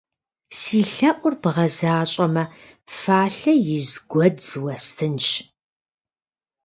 Си лъэӀур бгъэзащӀэмэ фалъэ из гуэдз уэстынщ!